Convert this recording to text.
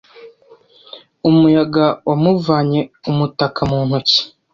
Umuyaga wamuvanye umutaka mu ntoki.